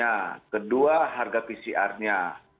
ya kedua harga pcr nya